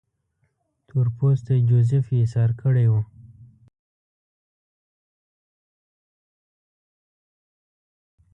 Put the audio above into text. تور پوستی جوزیف یې ایسار کړی وو.